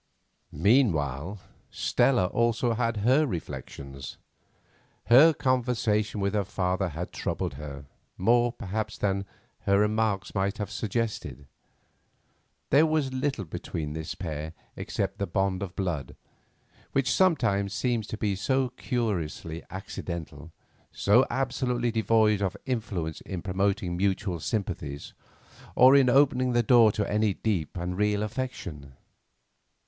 Meanwhile, Stella also had her reflections. Her conversation with her father had troubled her, more, perhaps, than her remarks might have suggested. There was little between this pair except the bond of blood, which sometimes seems to be so curiously accidental, so absolutely devoid of influence in promoting mutual sympathies, or in opening the door to any deep and real affection.